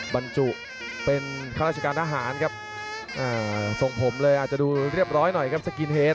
บรรจุเป็นข้าราชการทหารครับทรงผมเลยอาจจะดูเรียบร้อยหน่อยครับสกินเฮด